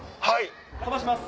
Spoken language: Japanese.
はい。